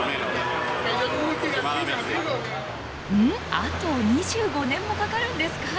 あと２５年もかかるんですか？